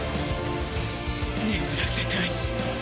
眠らせたい。